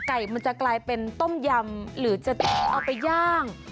ไก่มันจะกลายเป็นต้มยำหรือจะเอาไปย่าง